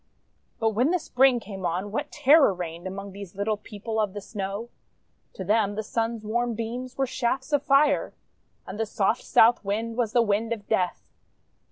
••••••••*• But when the Spring came on, what terror reigned Among these Little People of the Snow! To them the Swi's warm beams were shafts of Fire, And the soft South Wind was the wind of death.